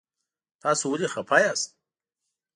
تاسو ولې خفه یاست؟